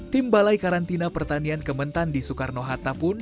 tim balai karantina pertanian kementan di soekarno hatta pun